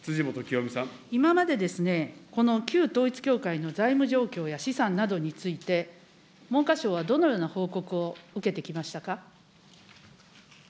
今までですね、この旧統一教会の財務状況や資産などについて、文科省はどのような報告を受けてきましたか。